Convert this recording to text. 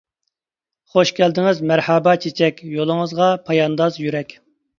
خوش كەلدىڭىز مەرھابا چېچەك، يولىڭىزغا پايانداز يۈرەك.